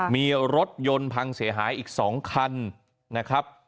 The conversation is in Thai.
มีรถยนต์พังเสียหายอีก๒คันนะครับ